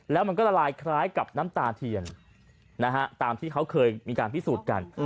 แล้วมันก็ละลายคล้ายกับน้ำตาเทียนตามที่เขาเคยมีการพิสูจน์กัน